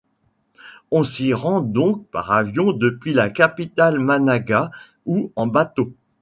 On s'y rend donc par avion depuis la capitale Managua, ou en bateau.